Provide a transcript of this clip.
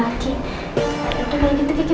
tunggu sebentar kiki